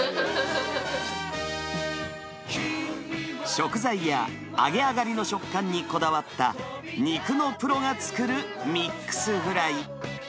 食材や揚げ上がりの食感にこだわった、肉のプロが作るミックスフライ。